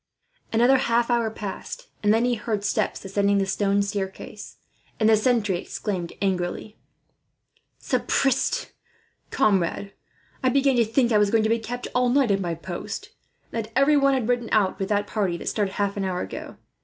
Another half hour passed, and then he heard steps ascending the stone staircase, and the sentry exclaimed angrily: "Sapristie, comrade, I began to think I was going to be kept all night at my post, and that everyone had ridden out with that party that started, half an hour ago.